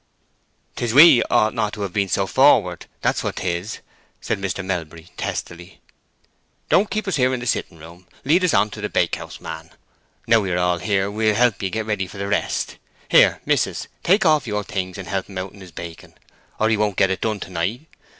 "'Tis we ought not to have been so forward; that's what 'tis," said Mr. Melbury, testily. "Don't keep us here in the sitting room; lead on to the bakehouse, man. Now we are here we'll help ye get ready for the rest. Here, mis'ess, take off your things, and help him out in his baking, or he won't get done to night.